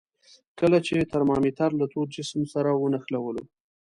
کله چې ترمامتر له تود جسم سره ونښلولو.